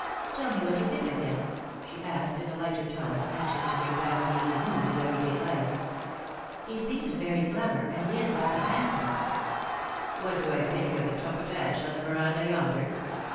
" Tell me what you think of him," she asked in a lighter tone, anxious to bring back the easy mood of every day life. He seems very eleven, and he ia rather handsome." The BegwvrwHg of Doubt. 95 "What do I think of the trumpet ash on the verandah yonder